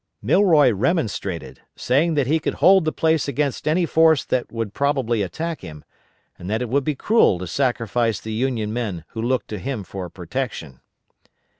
Milroy remonstrated, saying that he could hold the place against any force that would probably attack him, and that it would be cruel to sacrifice the Union men who looked to him for protection.